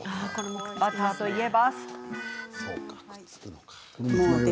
バターといえば。